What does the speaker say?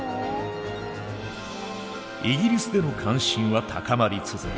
イギリスでの関心は高まり続け